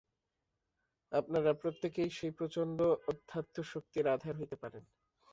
আপনারা প্রত্যেকেই সেই প্রচণ্ড অধ্যাত্মশক্তির আধার হইতে পারেন।